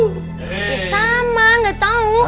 ya sama gak tau